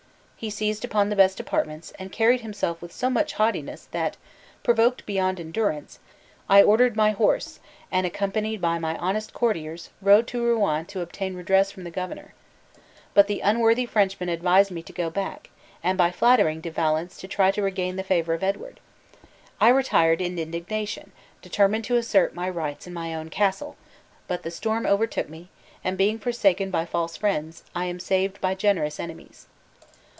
He seized upon the best apartments, and carried himself with so much haughtiness that, provoked beyond endurance, I ordered my horse and, accompanied by my honest courtiers, rode to Rouen to obtain redress from the governor. But the unworthy Frenchman advised me to go back, and by flattering De Valence try to regain the favor of Edward. I retired in indignation, determined to assert my own rights in my own castle, but the storm overtook me, and being forsaken by false friends, I am saved by generous enemies."